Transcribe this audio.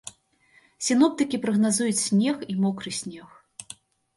Сіноптыкі прагназуюць снег і мокры снег.